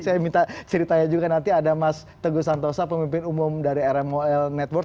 saya minta ceritanya juga nanti ada mas teguh santosa pemimpin umum dari rmol network